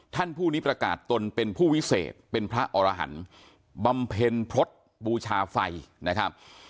ท่านผู้นี้ประกาศตนเป็นผู้วิเศษเป็นพระอรหันต์บำเพ็ญพฤษบูชาไฟนะครับ